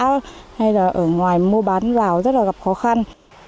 cây cầu trong thôn cũng như ở xã hay là ở ngoài mua bán vào rất là gặp khó khăn